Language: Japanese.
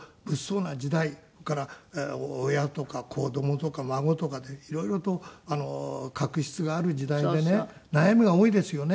それから親とか子供とか孫とかで色々と確執がある時代でね悩みが多いですよね。